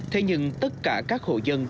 thế nhưng tất cả các hộ dân